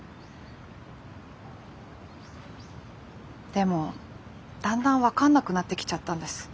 でもだんだん分かんなくなってきちゃったんです。